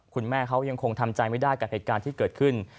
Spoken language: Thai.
คุณแม่เขายังคงทำใจไม่ได้กับเหตุการณ์ที่เกิดขึ้น